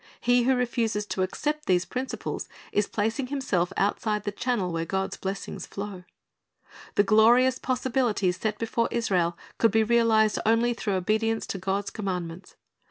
He who refuses to accept these principles is placing himself outside the channel where God's blessings flow. The glorious possibilities set before Israel could be realized only through obedience to God's commandments.